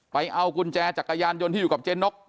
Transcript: เอากุญแจจักรยานยนต์ที่อยู่กับเจ๊นก